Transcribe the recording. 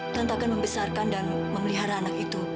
tante akan membesarkan dan memelihara anak itu